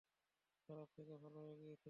খারাপ থেকে ভালো হয়ে গিয়েছিল।